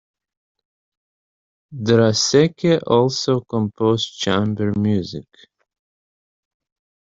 Draeseke also composed chamber music.